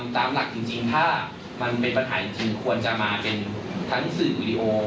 ตามหลักจริงถ้ามันเป็นปัญหาจริงควรจะมาเป็นทั้งสื่อวิดีโอ